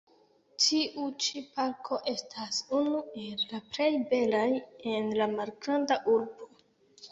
Tiu ĉi parko estas unu el la plej belaj en la Malgranda urbo.